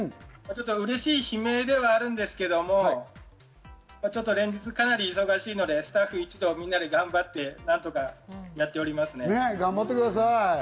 ちょっと嬉しい悲鳴ではあるんですけれども、連日かなり忙しいのでスタッフ一同、みんなで頑張って何とかやっ頑張ってください。